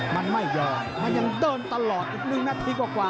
มันไม่ยอมมันยังเดินตลอดอีกนึงนะทิ้งไปกว่า